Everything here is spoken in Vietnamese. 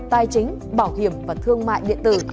tài chính bảo hiểm và thương mại điện tử